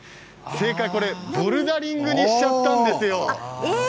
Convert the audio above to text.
正解はボルダリングにしちゃったんですよ。